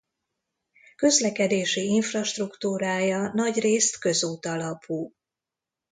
Közlekedési infrastruktúrája nagyrészt közút alapú.